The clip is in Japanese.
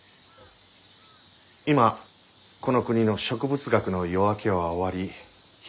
今この国の植物学の夜明けは終わり日は昇り始めました。